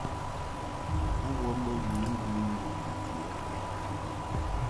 A wə mbə yǔ ŋguli ŋgaŋ nɨti ɛ ?